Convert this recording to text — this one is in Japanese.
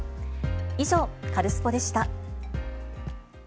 以上、カルスポっ！でした。